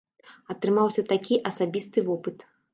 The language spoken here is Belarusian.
Атрымаўся такі асабісты вопыт.